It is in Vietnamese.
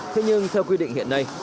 thế nhưng theo quy định hiện nay